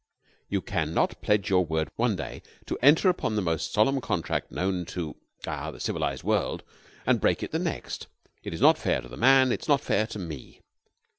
You can not pledge your word one day to enter upon the most solemn contract known to ah the civilized world, and break it the next. It is not fair to the man. It is not fair to me.